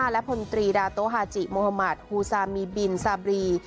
และพันธฤต้าโตฮาจิมมฮูซามิบินซาบรี